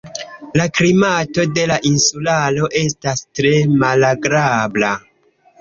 La klimato de la insularo estas tre malagrabla.